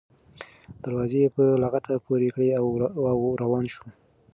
دروازه یې په لغته پورې کړه او روان شو.